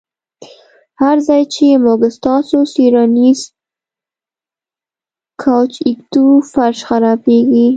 هر ځای چې موږ ستاسو څیړنیز کوچ ږدو فرش خرابیږي